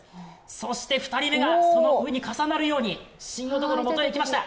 そして２人目がその上に重なるように、神男のもとへ駆け寄りました。